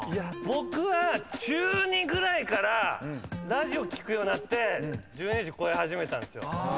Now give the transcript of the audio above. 僕は中２ぐらいからラジオ聞くようになって１２時越え始めたんすよ。